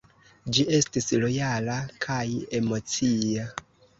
Ĝi estis lojala kai emocia.